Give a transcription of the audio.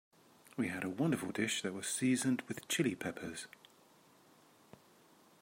We had a wonderful dish that was seasoned with Chili Peppers.